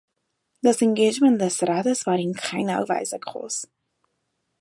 Das Engagement des Rates war in keiner Weise groß.